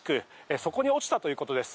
そこに落ちたということです。